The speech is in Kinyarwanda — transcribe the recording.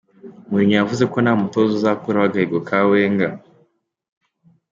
Mourinho yavuze ko nta mutoza uzakuraho agahigo ka Wenger.